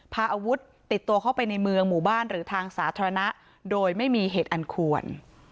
พาอาวุธติดตัวเข้าไปในเมืองหมู่บ้านหรือทางสาธารณะโดยไม่มีเหตุอันควร